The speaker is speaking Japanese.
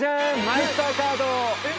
マイスターカード！